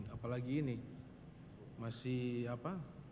apalagi ini masih apa